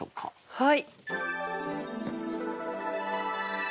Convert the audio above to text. はい。